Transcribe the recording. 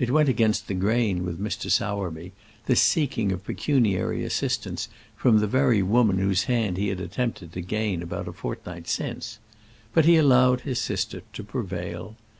It went against the grain with Mr. Sowerby, this seeking of pecuniary assistance from the very woman whose hand he had attempted to gain about a fortnight since; but he allowed his sister to prevail.